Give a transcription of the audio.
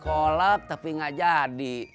kolek tapi gak jadi